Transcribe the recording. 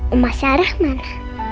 umah sarah mana